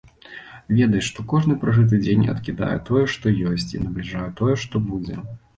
Ведай, што кожны пражыты дзень адкідае тое, што ёсць, і набліжае тое, што будзе.